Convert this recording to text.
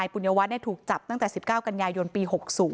ปุญญวัตรถูกจับตั้งแต่๑๙กันยายนปี๖๐